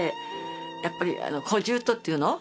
やっぱりこじゅうとっていうの。